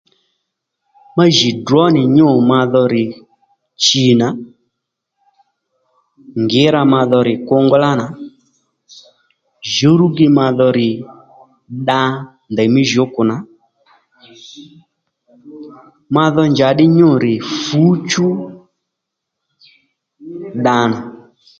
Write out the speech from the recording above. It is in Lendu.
Ma jì drǒ nì nyû ma dho rì chì nà ngǐra ma dho rì kungálá nà jǔwrúgi ma dho rì dda ndèymí jǔkù nà ma dho njàddí nyû rì fǔchú dda nà